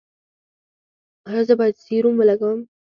ایا زه باید سیروم ولګوم؟